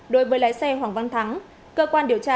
đối với lái xe hoàng văn thắng cơ quan điều tra